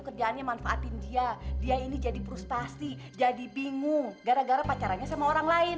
kerjaannya manfaatin dia dia ini jadi frustasi jadi bingung gara gara pacarannya sama orang lain